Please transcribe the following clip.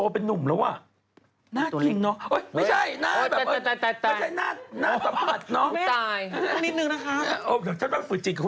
พูดอะไรออกไปตกปาก